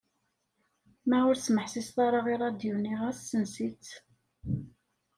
Ma ur tesmeḥsiseḍ ara i rradyu-nni, ɣas ssens-itt.